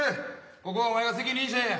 ここはお前が責任者や。